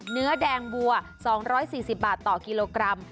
เนื้อแดงวัว๒๔๐บาทต่อกิโลกรัม